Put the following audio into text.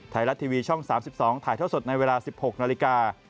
ไทยรัฐทีวีช่อง๓๒ถ่ายเท่าสดในเวลา๑๖นาฬิกา